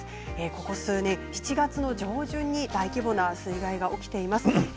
ここ数年７月上旬に大規模な水害が起きています。